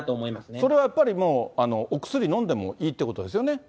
それはやっぱり、もうお薬飲んでもいいってことですよね。